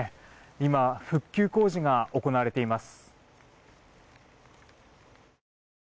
今、復旧工事が行われています。